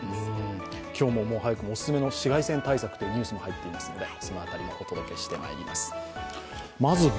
今日も早くもお勧めの紫外線対策というニュースも入っていますのでその辺りもお届けしてまいります。